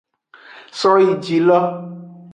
Soyijilo.